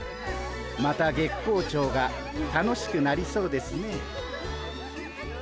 また月光町が楽しくなりそうですね。